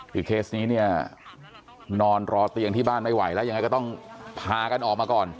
คือเคสนี้เนี่ยนอนรอเตียงที่บ้านไม่ไหวแล้วยังไงก็ต้องพากันออกมาก่อน